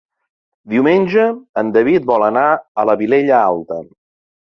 Diumenge en David vol anar a la Vilella Alta.